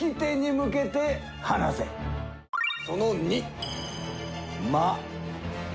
その２。